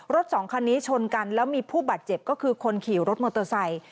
สองคันนี้ชนกันแล้วมีผู้บาดเจ็บก็คือคนขี่รถมอเตอร์ไซค์